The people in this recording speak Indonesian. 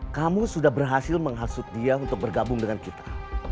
kamu sudah berhasil menghasut dia untuk bergabung dengan kita